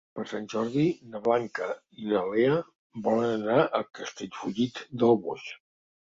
Per Sant Jordi na Blanca i na Lea volen anar a Castellfollit del Boix.